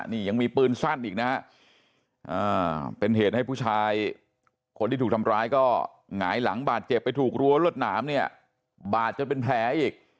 นี่ยังมีปืนสั้นอีกนะฮะเป็นเหตุให้ผู้ชายคนที่ถูกทำร้ายก็หงายหลังบาดเจ็บไปถูกรั้วรวดหนามเนี่ยบาดจนเป็นแผลอีก